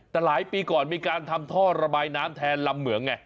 แต่หลายปีก่อนมีการทำท่อระบายน้ำแทนลำเหมืองไง